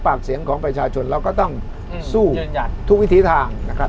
ปากเสียงของประชาชนเราก็ต้องสู้ทุกวิถีทางนะครับ